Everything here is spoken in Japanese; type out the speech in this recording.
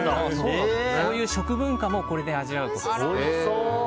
そういう食文化もこれで味わうと。